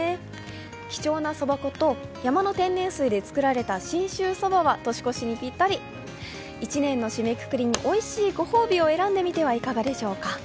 貴重なそば粉と、山の天然水で作られた信州そばは年越しにぴったり、一年の締めくくりにおいしいご褒美を選んでみてはいかがでしょうか？